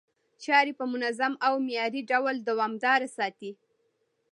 چاري په منظم او معياري ډول دوامداره ساتي،